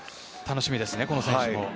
楽しみですね、この選手も。